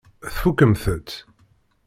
Tfukkemt-tt?